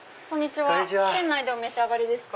店内でお召し上がりですか？